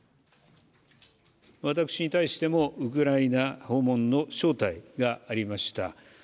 私に対しても、ウクライナ訪問の招待がありました。